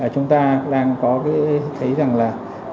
chúng ta đang có thấy rằng là